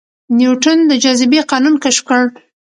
نیوټن د جاذبې قانون کشف کړ